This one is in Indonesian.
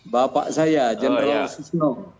bapak saya general susno